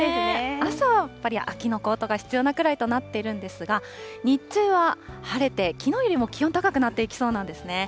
朝はやっぱり秋のコートが必要なくらいとなっているんですが、日中は晴れて、きのうよりも気温高くなっていきそうなんですね。